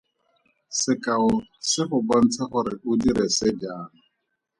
Sekao se go bontsha gore o dire se jang.